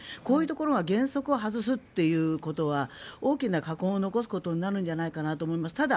こういうところで原則を外すということは大きな禍根を残すことになるんじゃないかと思います。